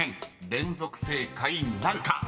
連続正解なるか］